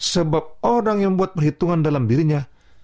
sebab orang yang buat perhitungan dalam dirinya